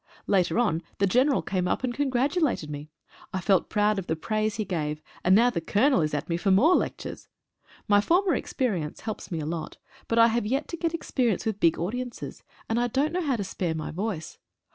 Later on the General came up and congratulated me. I felt proud of the praise he gave, and now the Colonel is at me for more lectures. My former experience helps me a lot, but I have yet to get experience with big audiences, and I don't 4 PREVENTIVE MEASURES. know how to spare my voice.